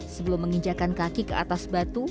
sebelum menginjakan kaki ke atas batu